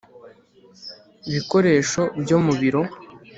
Bikoresho byo mu biro